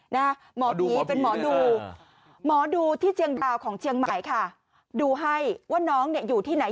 หมอผีเป็นหมอดูหมอดูที่เชียงดาวของเชียงใหม่ค่ะดูให้ว่าน้องเนี่ยอยู่ที่ไหน